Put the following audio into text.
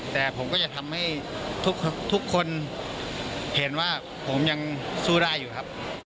แต่ผมก็จะทำให้ทุกคนเห็นว่าผมยังสู้ได้อยู่ครับ